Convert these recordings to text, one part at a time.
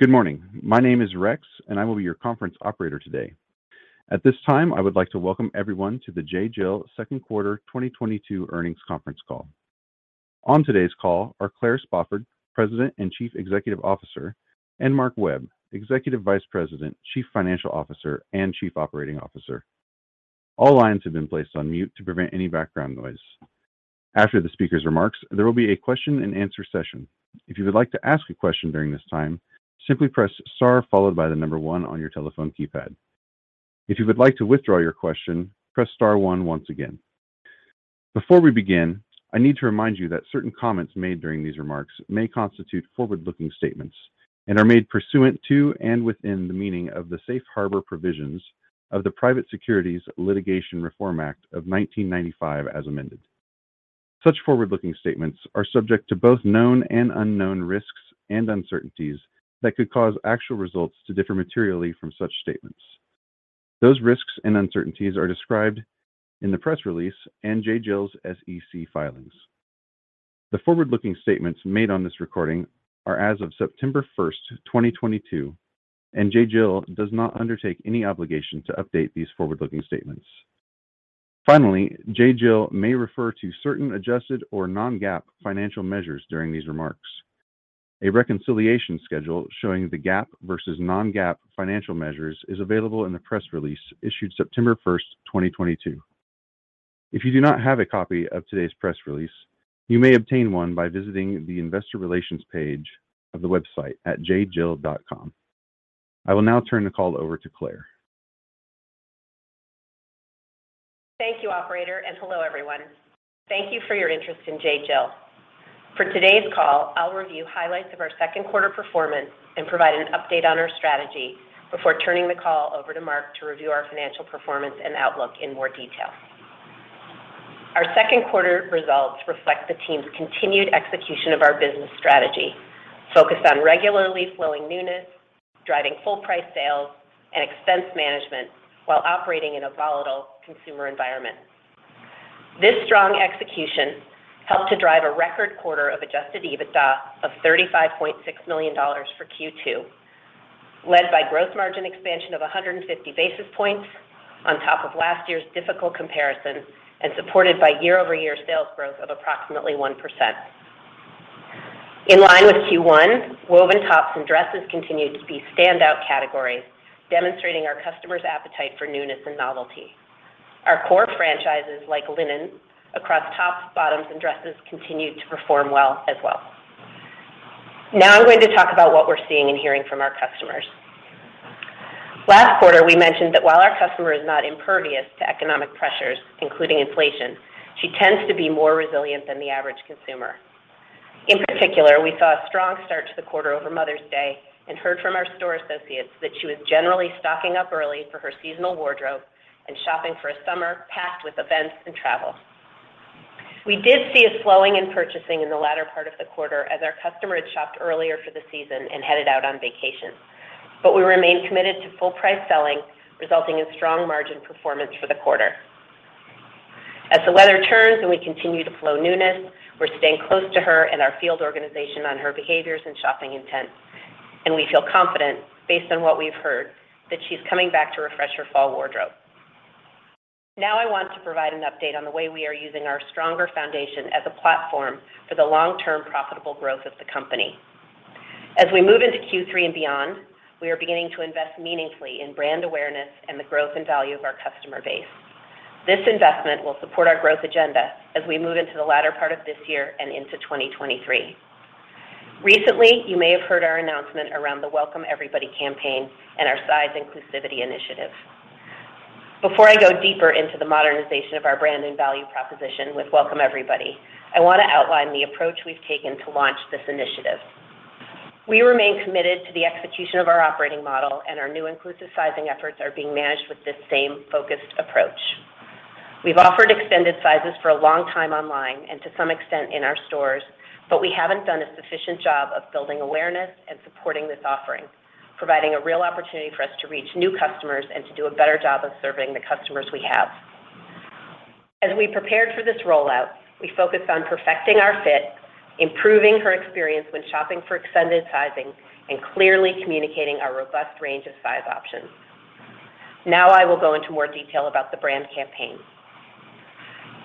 Good morning. My name is Rex, and I will be your conference operator today. At this time, I would like to welcome everyone to the J.Jill Second Quarter 2022 Earnings Conference Call. On today's call are Claire Spofford, President and Chief Executive Officer, and Mark Webb, Executive Vice President, Chief Financial Officer, and Chief Operating Officer. All lines have been placed on mute to prevent any background noise. After the speaker's remarks, there will be a question-and-answer session. If you would like to ask a question during this time, simply press star followed by the number one on your telephone keypad. If you would like to withdraw your question, press star one once again. Before we begin, I need to remind you that certain comments made during these remarks may constitute forward-looking statements and are made pursuant to and within the meaning of the Safe Harbor provisions of the Private Securities Litigation Reform Act of 1995 as amended. Such forward-looking statements are subject to both known and unknown risks and uncertainties that could cause actual results to differ materially from such statements. Those risks and uncertainties are described in the press release and J.Jill's SEC filings. The forward-looking statements made on this recording are as of September 1st, 2022, and J.Jill does not undertake any obligation to update these forward-looking statements. Finally, J.Jill may refer to certain adjusted or non-GAAP financial measures during these remarks. A reconciliation schedule showing the GAAP versus non-GAAP financial measures is available in the press release issued September 1st, 2022. If you do not have a copy of today's press release, you may obtain one by visiting the investor relations page of the website at jjill.com. I will now turn the call over to Claire. Thank you, operator, and hello, everyone. Thank you for your interest in J.Jill. For today's call, I'll review highlights of our second quarter performance and provide an update on our strategy before turning the call over to Mark to review our financial performance and outlook in more detail. Our second quarter results reflect the team's continued execution of our business strategy focused on regularly flowing newness, driving full price sales, and expense management while operating in a volatile consumer environment. This strong execution helped to drive a record quarter of adjusted EBITDA of $35.6 million for Q2, led by gross margin expansion of 150 basis points on top of last year's difficult comparison and supported by year-over-year sales growth of approximately 1%. In line with Q1, woven tops and dresses continued to be standout categories, demonstrating our customers' appetite for newness and novelty. Our core franchises like linen across tops, bottoms, and dresses continued to perform well as well. Now I'm going to talk about what we're seeing and hearing from our customers. Last quarter, we mentioned that while our customer is not impervious to economic pressures, including inflation, she tends to be more resilient than the average consumer. In particular, we saw a strong start to the quarter over Mother's Day and heard from our store associates that she was generally stocking up early for her seasonal wardrobe and shopping for a summer packed with events and travel. We did see a slowing in purchasing in the latter part of the quarter as our customer had shopped earlier for the season and headed out on vacation. We remain committed to full price selling, resulting in strong margin performance for the quarter. As the weather turns and we continue to flow newness, we're staying close to her and our field organization on her behaviors and shopping intents, and we feel confident based on what we've heard that she's coming back to refresh her fall wardrobe. Now, I want to provide an update on the way we are using our stronger foundation as a platform for the long-term profitable growth of the company. As we move into Q3 and beyond, we are beginning to invest meaningfully in brand awareness and the growth and value of our customer base. This investment will support our growth agenda as we move into the latter part of this year and into 2023. Recently, you may have heard our announcement around the Welcome Everybody campaign and our size inclusivity initiative. Before I go deeper into the modernization of our brand and value proposition with Welcome Everybody, I wanna outline the approach we've taken to launch this initiative. We remain committed to the execution of our operating model, and our new inclusive sizing efforts are being managed with this same focused approach. We've offered extended sizes for a long time online and to some extent in our stores, but we haven't done a sufficient job of building awareness and supporting this offering, providing a real opportunity for us to reach new customers and to do a better job of serving the customers we have. As we prepared for this rollout, we focused on perfecting our fit, improving her experience when shopping for extended sizing, and clearly communicating our robust range of size options. Now I will go into more detail about the brand campaign.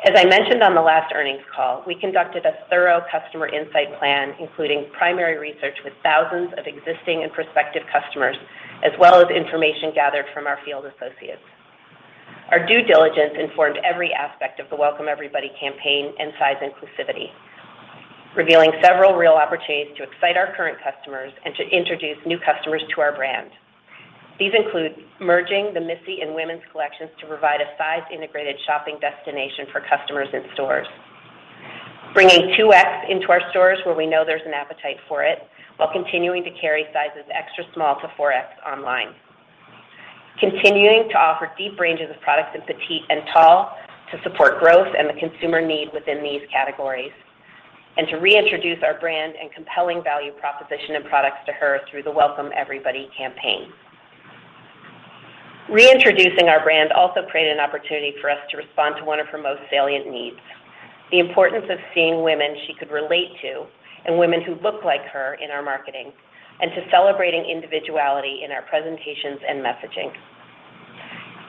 As I mentioned on the last earnings call, we conducted a thorough customer insight plan, including primary research with thousands of existing and prospective customers, as well as information gathered from our field associates. Our due diligence informed every aspect of the Welcome Everybody campaign and size inclusivity, revealing several real opportunities to excite our current customers and to introduce new customers to our brand. These include merging the Missy and women's collections to provide a size integrated shopping destination for customers in stores, bringing 2X into our stores where we know there's an appetite for it while continuing to carry sizes extra small to 4X online, continuing to offer deep ranges of products in petite and tall to support growth and the consumer need within these categories, and to reintroduce our brand and compelling value proposition and products to her through the Welcome Everybody campaign. Reintroducing our brand also created an opportunity for us to respond to one of her most salient needs, the importance of seeing women she could relate to and women who look like her in our marketing, and to celebrating individuality in our presentations and messaging.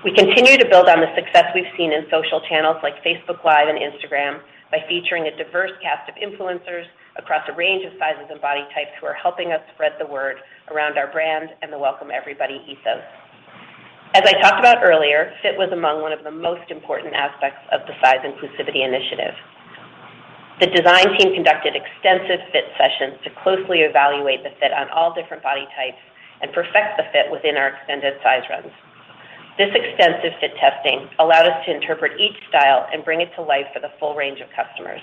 We continue to build on the success we've seen in social channels like Facebook Live and Instagram by featuring a diverse cast of influencers across a range of sizes and body types who are helping us spread the word around our brand and the Welcome Everybody ethos. As I talked about earlier, fit was among one of the most important aspects of the size inclusivity initiative. The design team conducted extensive fit sessions to closely evaluate the fit on all different body types and perfect the fit within our extended size runs. This extensive fit testing allowed us to interpret each style and bring it to life for the full range of customers.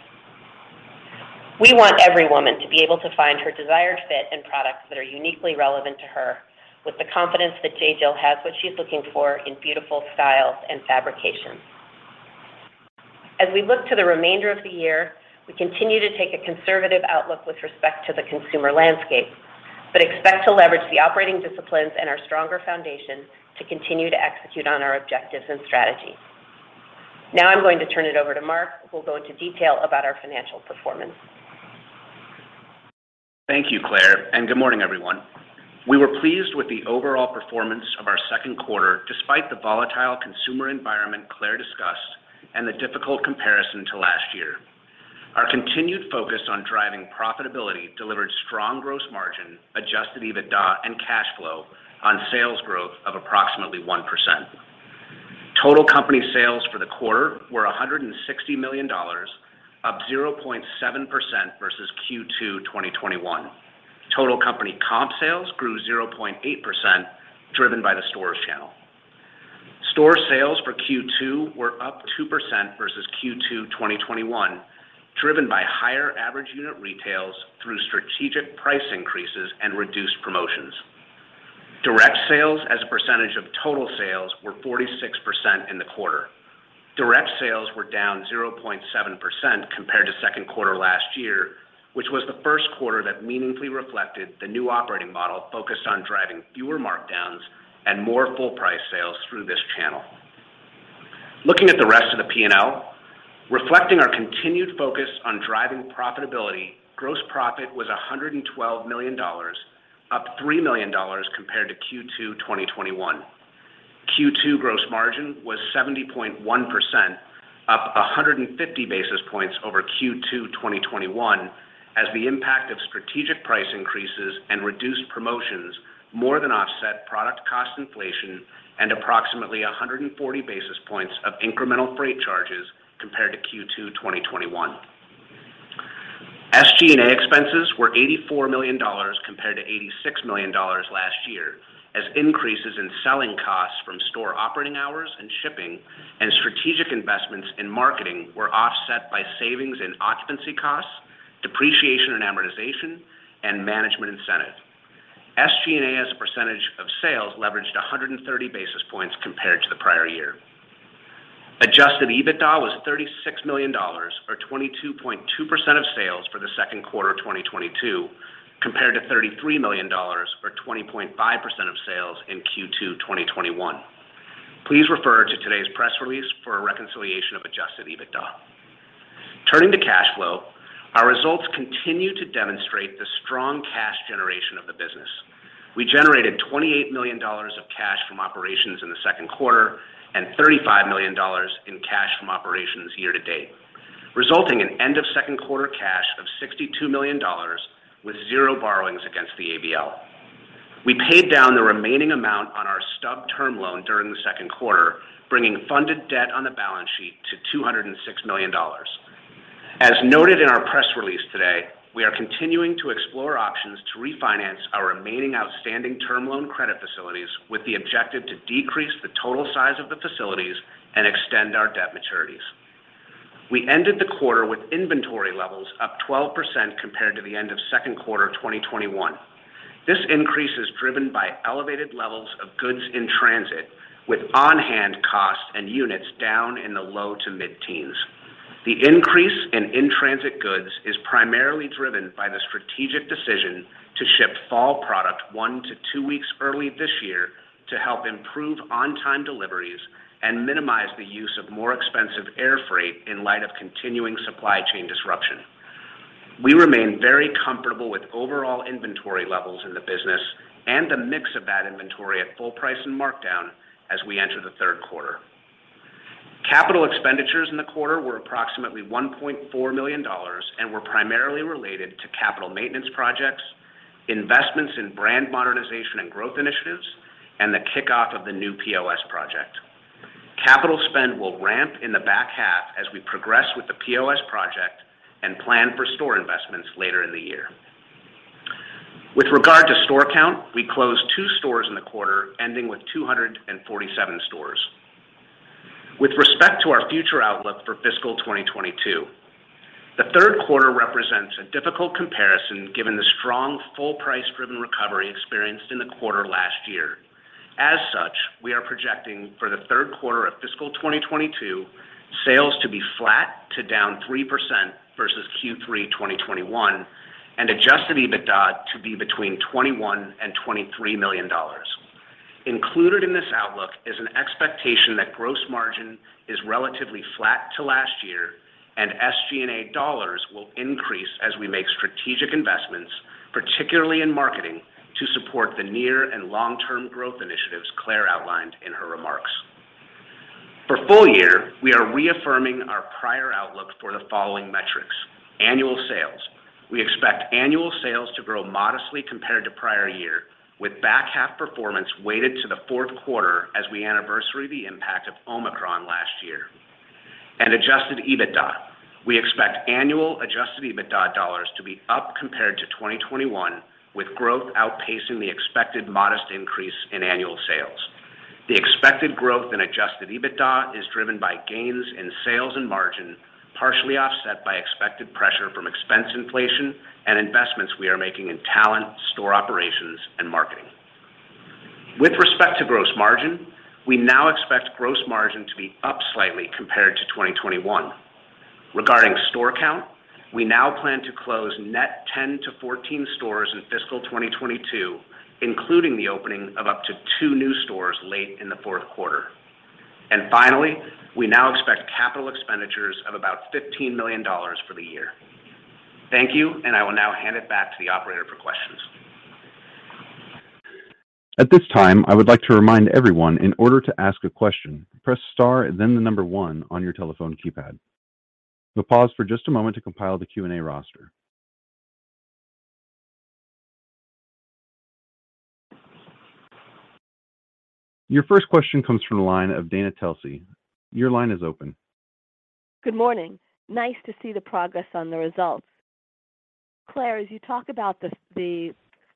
We want every woman to be able to find her desired fit and products that are uniquely relevant to her with the confidence that J.Jill has what she's looking for in beautiful styles and fabrications. As we look to the remainder of the year, we continue to take a conservative outlook with respect to the consumer landscape, but expect to leverage the operating disciplines and our stronger foundation to continue to execute on our objectives and strategy. Now I'm going to turn it over to Mark, who will go into detail about our financial performance. Thank you, Claire, and good morning, everyone. We were pleased with the overall performance of our second quarter despite the volatile consumer environment Claire discussed and the difficult comparison to last year. Our continued focus on driving profitability delivered strong gross margin, adjusted EBITDA and cash flow on sales growth of approximately 1%. Total company sales for the quarter were $160 million, up 0.7% versus Q2 2021. Total company comp sales grew 0.8%, driven by the stores channel. Store sales for Q2 were up 2% versus Q2 2021, driven by higher average unit retail through strategic price increases and reduced promotions. Direct sales as a percentage of total sales were 46% in the quarter. Direct sales were down 0.7% compared to second quarter last year, which was the first quarter that meaningfully reflected the new operating model focused on driving fewer markdowns and more full price sales through this channel. Looking at the rest of the P&L, reflecting our continued focus on driving profitability, gross profit was $112 million, up $3 million compared to Q2 2021. Q2 gross margin was 70.1%, up 150 basis points over Q2 2021 as the impact of strategic price increases and reduced promotions more than offset product cost inflation and approximately 140 basis points of incremental freight charges compared to Q2 2021. SG&A expenses were $84 million compared to $86 million last year as increases in selling costs from store operating hours and shipping and strategic investments in marketing were offset by savings in occupancy costs, depreciation and amortization, and management incentives. SG&A as a percentage of sales leveraged 130 basis points compared to the prior year. Adjusted EBITDA was $36 million or 22.2% of sales for the second quarter of 2022, compared to $33 million or 20.5% of sales in Q2 2021. Please refer to today's press release for a reconciliation of adjusted EBITDA. Turning to cash flow, our results continue to demonstrate the strong cash generation of the business. We generated $28 million of cash from operations in the second quarter and $35 million in cash from operations year to date, resulting in end of second quarter cash of $62 million with zero borrowings against the ABL. We paid down the remaining amount on our stub term loan during the second quarter, bringing funded debt on the balance sheet to $206 million. As noted in our press release today, we are continuing to explore options to refinance our remaining outstanding term loan credit facilities with the objective to decrease the total size of the facilities and extend our debt maturities. We ended the quarter with inventory levels up 12% compared to the end of second quarter of 2021. This increase is driven by elevated levels of goods in transit, with on-hand costs and units down in the low to mid-teens. The increase in-transit goods is primarily driven by the strategic decision to ship fall product one-two weeks early this year to help improve on-time deliveries and minimize the use of more expensive air freight in light of continuing supply chain disruption. We remain very comfortable with overall inventory levels in the business and the mix of that inventory at full price and markdown as we enter the third quarter. Capital expenditures in the quarter were approximately $1.4 million and were primarily related to capital maintenance projects, investments in brand modernization and growth initiatives, and the kickoff of the new POS project. Capital spend will ramp in the back half as we progress with the POS project and plan for store investments later in the year. With regard to store count, we closed two stores in the quarter, ending with 247 stores. With respect to our future outlook for fiscal 2022, the third quarter represents a difficult comparison given the strong full price-driven recovery experienced in the quarter last year. As such, we are projecting for the third quarter of fiscal 2022 sales to be flat to down 3%. Q3 2021 and adjusted EBITDA to be between $21 million and $23 million. Included in this outlook is an expectation that gross margin is relatively flat to last year and SG&A dollars will increase as we make strategic investments, particularly in marketing, to support the near and long-term growth initiatives Claire outlined in her remarks. For full year, we are reaffirming our prior outlook for the following metrics. Annual sales. We expect annual sales to grow modestly compared to prior year, with back half performance weighted to the fourth quarter as we anniversary the impact of Omicron last year. Adjusted EBITDA. We expect annual adjusted EBITDA dollars to be up compared to 2021, with growth outpacing the expected modest increase in annual sales. The expected growth in adjusted EBITDA is driven by gains in sales and margin, partially offset by expected pressure from expense inflation and investments we are making in talent, store operations, and marketing. With respect to gross margin, we now expect gross margin to be up slightly compared to 2021. Regarding store count, we now plan to close net 10-14 stores in fiscal 2022, including the opening of up to two new stores late in the fourth quarter. Finally, we now expect capital expenditures of about $15 million for the year. Thank you, and I will now hand it back to the operator for questions. At this time, I would like to remind everyone in order to ask a question, press star and then the number one on your telephone keypad. We'll pause for just a moment to compile the Q&A roster. Your first question comes from the line of Dana Telsey. Your line is open. Good morning. Nice to see the progress on the results. Claire, as you talk about the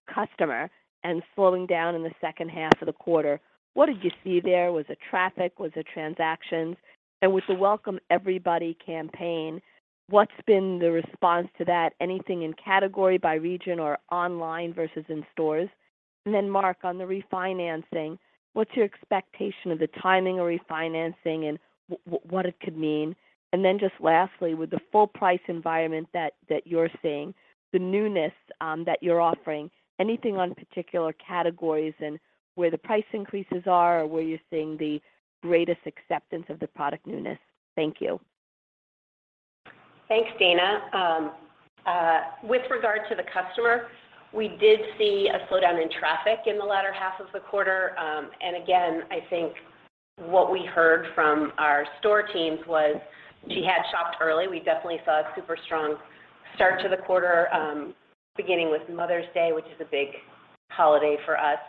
customer and slowing down in the second half of the quarter, what did you see there? Was it traffic? Was it transactions? With the Welcome Everybody campaign, what's been the response to that? Anything in category by region or online versus in stores? Mark, on the refinancing, what's your expectation of the timing of refinancing and what it could mean? Just lastly, with the full price environment that you're seeing, the newness that you're offering, anything on particular categories and where the price increases are or where you're seeing the greatest acceptance of the product newness? Thank you. Thanks, Dana. With regard to the customer, we did see a slowdown in traffic in the latter half of the quarter. Again, I think what we heard from our store teams was she had shopped early. We definitely saw a super strong start to the quarter, beginning with Mother's Day, which is a big holiday for us.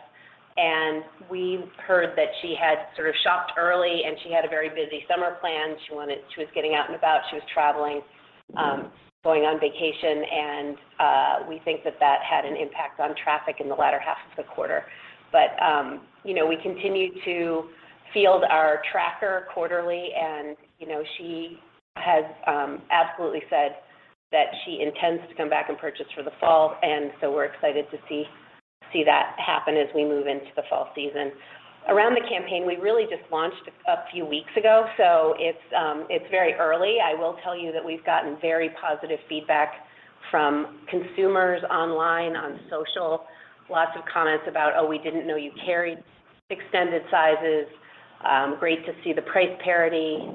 We heard that she had sort of shopped early, and she had a very busy summer planned. She was getting out and about. She was traveling, going on vacation, and we think that had an impact on traffic in the latter half of the quarter. You know, we continued to field our tracker quarterly and, you know, she has absolutely said that she intends to come back and purchase for the fall, and so we're excited to see that happen as we move into the fall season. Around the campaign, we really just launched a few weeks ago, so it's very early. I will tell you that we've gotten very positive feedback from consumers online, on social. Lots of comments about, "Oh, we didn't know you carried extended sizes. Great to see the price parity.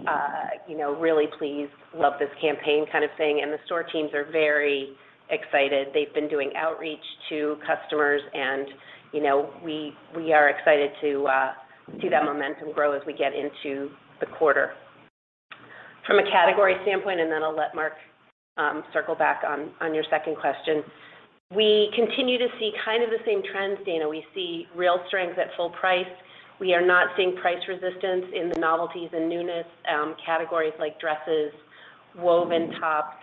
You know, really pleased. Love this campaign," kind of thing. The store teams are very excited. They've been doing outreach to customers and, you know, we are excited to see that momentum grow as we get into the quarter. From a category standpoint, and then I'll let Mark circle back on your second question. We continue to see kind of the same trends, Dana. We see real strength at full price. We are not seeing price resistance in the novelties and newness categories like dresses, woven tops,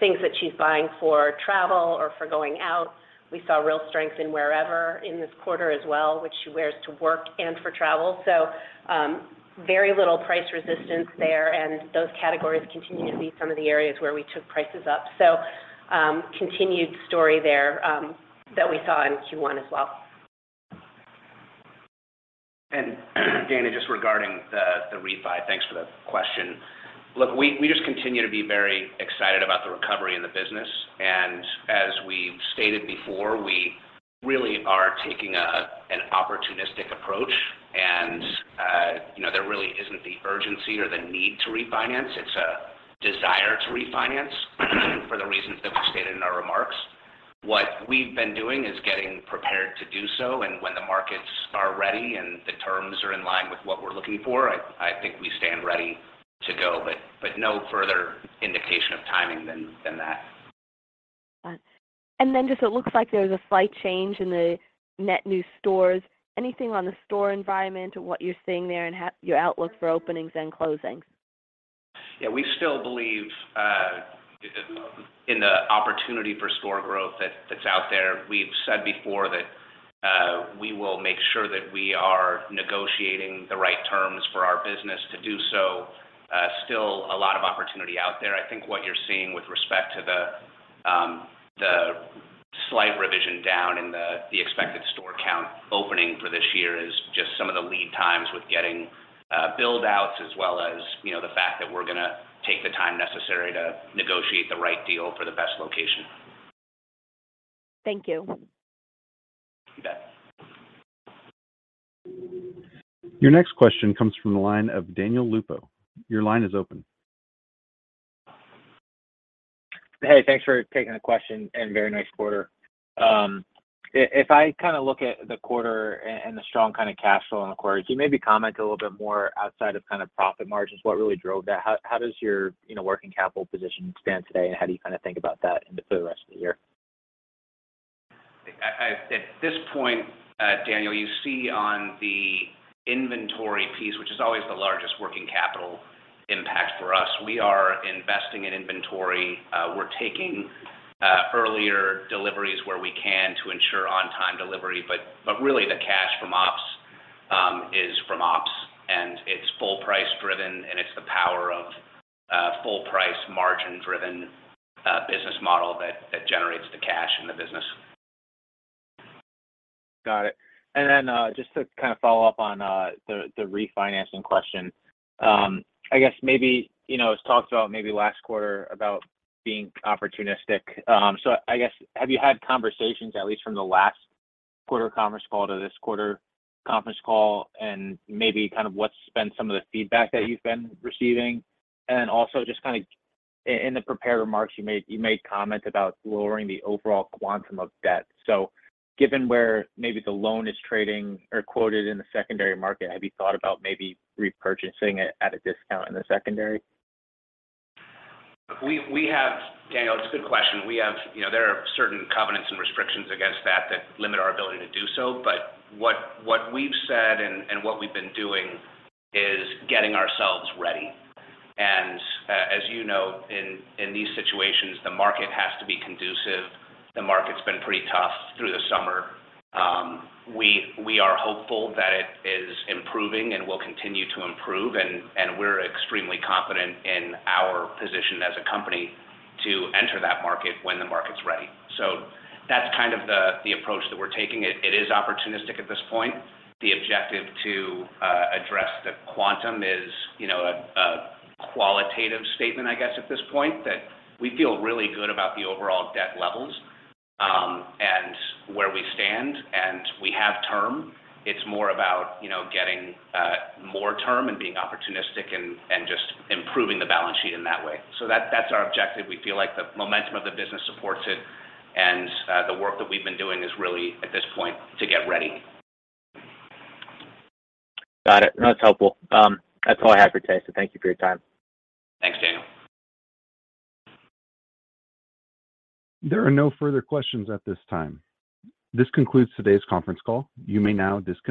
things that she's buying for travel or for going out. We saw real strength in wear to work in this quarter as well, which she wears to work and for travel. Very little price resistance there, and those categories continue to be some of the areas where we took prices up. Continued story there, that we saw in Q1 as well. Dana, just regarding the refi, thanks for the question. Look, we just continue to be very excited about the recovery in the business. As we've stated before, we really are taking an opportunistic approach and, you know, there really isn't the urgency or the need to refinance. It's a desire to refinance for the reasons that we stated in our remarks. What we've been doing is getting prepared to do so, and when the markets are ready and the terms are in line with what we're looking for, I think we stand ready to go. No further indication of timing than that. Got it. Just it looks like there's a slight change in the net new stores. Anything on the store environment or what you're seeing there and how your outlook for openings and closings? Yeah. We still believe in the opportunity for store growth that that's out there. We've said before that we will make sure that we are negotiating the right terms for our business to do so. Still a lot of opportunity out there. I think what you're seeing with respect to the Slight revision down in the expected store count opening for this year is just some of the lead times with getting build outs as well as, you know, the fact that we're gonna take the time necessary to negotiate the right deal for the best location. Thank you. You bet. Your next question comes from the line of Daniel Lupo. Your line is open. Hey, thanks for taking the question and very nice quarter. If I kinda look at the quarter and the strong kinda cash flow on the quarter, could you maybe comment a little bit more outside of kind of profit margins, what really drove that? How does your, you know, working capital position stand today, and how do you kinda think about that for the rest of the year? At this point, Daniel, you see on the inventory piece, which is always the largest working capital impact for us, we are investing in inventory. We're taking earlier deliveries where we can to ensure on-time delivery. Really the cash from ops is from ops, and it's full price driven, and it's the power of a full price margin-driven business model that generates the cash in the business. Got it. Just to kind of follow up on the refinancing question. I guess maybe, you know, it was talked about maybe last quarter about being opportunistic. I guess have you had conversations at least from the last quarter conference call to this quarter conference call, and maybe kind of what's been some of the feedback that you've been receiving? Also just kind of in the prepared remarks you made, you made comments about lowering the overall quantum of debt. Given where maybe the loan is trading or quoted in the secondary market, have you thought about maybe repurchasing it at a discount in the secondary? Daniel, it's a good question. You know, there are certain covenants and restrictions against that that limit our ability to do so. What we've said and what we've been doing is getting ourselves ready. As you know, in these situations, the market has to be conducive. The market's been pretty tough through the summer. We are hopeful that it is improving and will continue to improve, and we're extremely confident in our position as a company to enter that market when the market's ready. That's kind of the approach that we're taking. It is opportunistic at this point. The objective to address the quantum is, you know, a qualitative statement, I guess, at this point, that we feel really good about the overall debt levels, and where we stand, and we have term. It's more about, you know, getting more term and being opportunistic and just improving the balance sheet in that way. That's our objective. We feel like the momentum of the business supports it, and the work that we've been doing is really at this point to get ready. Got it. No, that's helpful. That's all I have for today, so thank you for your time. Thanks, Daniel. There are no further questions at this time. This concludes today's conference call. You may now disconnect.